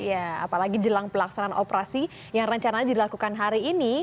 ya apalagi jelang pelaksanaan operasi yang rencananya dilakukan hari ini